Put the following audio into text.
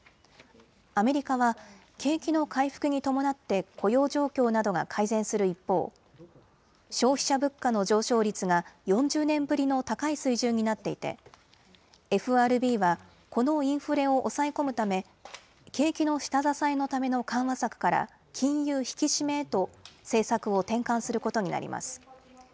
アメリカは、景気の回復に伴って雇用状況などが改善する一方、消費者物価の上昇率が４０年ぶりの高い水準になっていてＦＲＢはこのインフレを抑え込むため景気の下支えのための緩和策から金融引き締めへと政策を転換することになります。